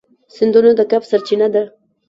سیندونه د کب سرچینه ده.